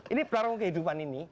ini pelarung kehidupan ini